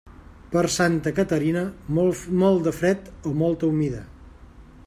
Per Santa Caterina, molt de fred o molta humida.